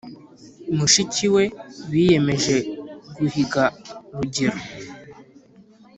mushikiwe biyemeje guhiga rugero